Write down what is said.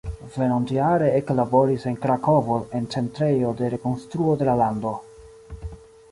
Venontjare eklaboris en Krakovo en Centrejo de Rekonstruo de la Lando.